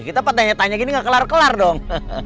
kita pak tengnya tanya gini gak kelar kelar dong